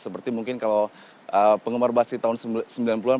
seperti mungkin kalau penggemar basi tahun sembilan puluh an